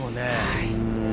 はい。